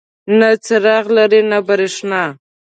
نه څراغ لري نه بریښنا.